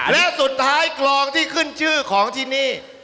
และสุดท้ายกลองที่ขึ้นชื่อของที่นี่